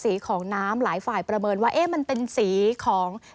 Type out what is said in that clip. สีของน้ำหลายฝ่ายประเมินว่าเอ๊ะมันเป็นสีของ